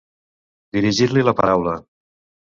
Dirigir-li la paraula.